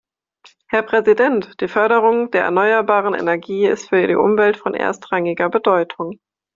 Herr Präsident, die Förderung der erneuerbaren Energie ist für die Umwelt von erstrangiger Bedeutung.